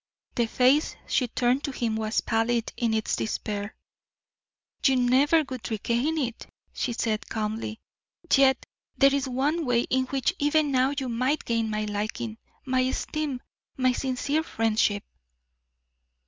The face she turned to him was pallid in its despair. "You never would regain it," she said, calmly. "Yet there is one way in which even now you might gain my liking, my esteem, my sincere friendship."